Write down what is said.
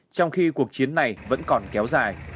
trong khi cuộc chiến này vẫn còn kéo dài